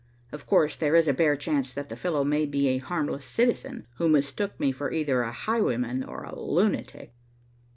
Of course there is a bare chance that the fellow may be a harmless citizen who mistook me for either a highwayman or a lunatic."